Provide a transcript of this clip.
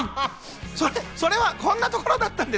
それはこんなことだったんです。